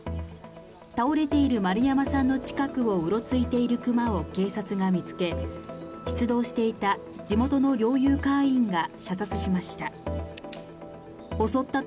倒れている丸山さんの近くをうろついている熊を警察が見つけ出動していた地元の猟友会員が射殺しました。